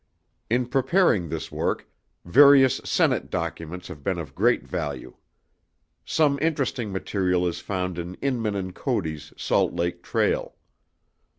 In preparing this work, various Senate Documents have been of great value. Some interesting material is found in Inman and Cody's Salt Lake Trail.